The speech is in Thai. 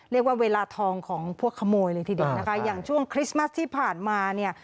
เรียกว่าเวลาทองของพวกขโมยเลยทีเดียวนะคะอย่างช่วงคริสต์มัสที่ผ่านมาเนี่ย